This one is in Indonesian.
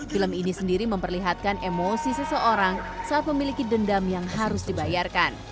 film ini sendiri memperlihatkan emosi seseorang saat memiliki dendam yang harus dibayarkan